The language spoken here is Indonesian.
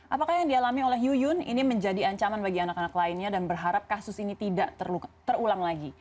apakah yang dialami oleh yuyun ini menjadi ancaman bagi anak anak lainnya dan berharap kasus ini tidak terulang lagi